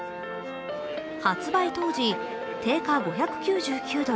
発売当時、定価５９９ドル